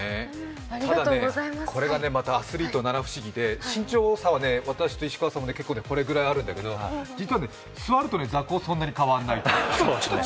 これがね、アスリート七不思議で身長差は私と石川さんはこれくらいあるんだけど、実はね、座ると座高、そんなに変わらないの。